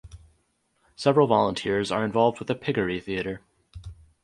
Several volunteers are involved with the Piggery Theater.